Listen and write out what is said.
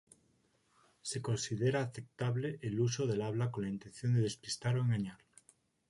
Se considera aceptable el uso del habla con la intención de despistar o engañar.